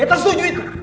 ya setuju itu